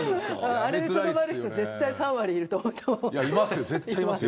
あれでとどまる人絶対、３割いると思う。